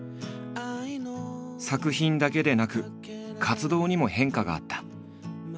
作品だけでなく活動にも変化があった。